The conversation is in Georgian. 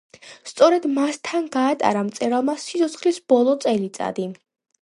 სწორედ მასთან გაატარა მწერალმა სიცოცხლის ბოლო წელიწადი.